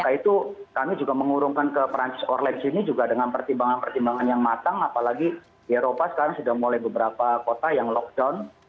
karena itu kami juga mengurungkan ke perancis orlands ini juga dengan pertimbangan pertimbangan yang matang apalagi di eropa sekarang sudah mulai beberapa kota yang lockdown